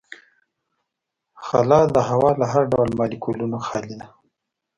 خلا د هوا له هر ډول مالیکولونو خالي ده.